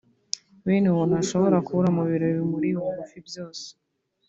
bene uwo ntashobora kubura mu birori bimuri bugufi byose